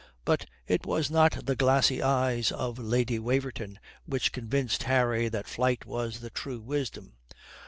But it was not the glassy eyes of Lady Waverton which convinced Harry that flight was the true wisdom.